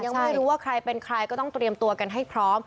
ไม่รู้ว่าใครเป็นใครก็ต้องเตรียมตัวกันให้พร้อม